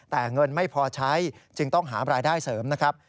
แต่เงินไม่พอใช้จึงต้องหารายได้เสริมนะครับ